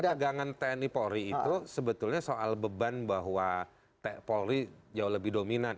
dagangan tni polri itu sebetulnya soal beban bahwa polri jauh lebih dominan